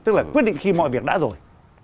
tức là quyết định khi mọi việc đã rồi